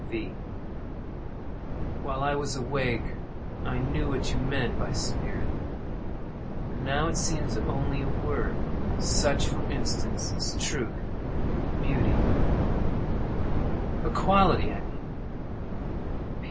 V. While I was awake I knew what you meant by "spirit," but now it seems only a word—such, for instance, as truth, beauty—a quality, I mean.